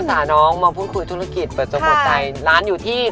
พาน้องมาพูดคุยธุรกิจเปิดจงหัวใจร้านอยู่ที่